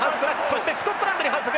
そしてスコットランドに反則。